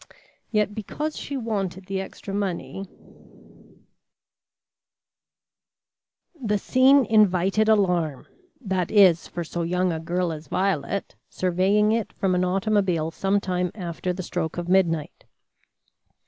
Yet because she wanted the extra money The scene invited alarm, that is, for so young a girl as Violet, surveying it from an automobile some time after the stroke of midnight.